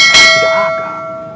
dia tidak ada